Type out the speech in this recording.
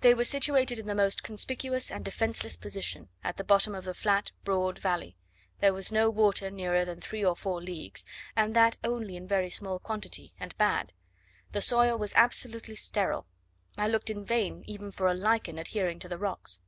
They were situated in the most conspicuous and defenceless position, at the bottom of the flat broad valley. There was no water nearer than three or four leagues, and that only in very small quantity, and bad: the soil was absolutely sterile; I looked in vain even for a lichen adhering to the rocks.